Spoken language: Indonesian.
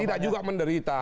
tidak juga menderita